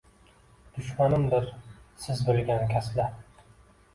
Dushmanimdir siz bilgan kaslar